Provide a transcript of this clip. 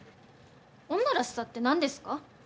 女らしさって何ですか？